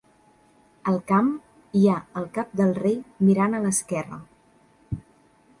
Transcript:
Al camp hi ha el cap del rei, mirant a l'esquerra.